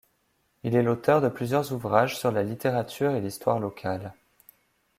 Il est l'auteur de plusieurs ouvrages sur la littérature et l'histoire locale.